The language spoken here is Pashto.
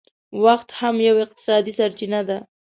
وخت هم یو اقتصادي سرچینه ده